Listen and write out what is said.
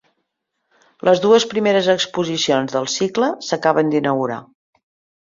Les dues primeres exposicions del cicle s’acaben d’inaugurar.